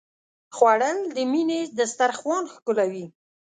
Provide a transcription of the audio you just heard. خوړل د مینې دسترخوان ښکلوي